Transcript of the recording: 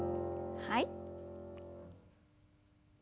はい。